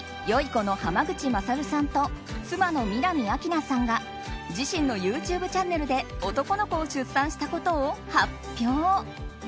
この濱口優さんと妻の南明奈さんが、自身のＹｏｕＴｕｂｅチャンネルで男の子を出産したことを発表。